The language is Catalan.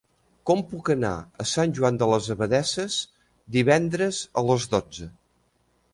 Com puc anar a Sant Joan de les Abadesses divendres a les dotze?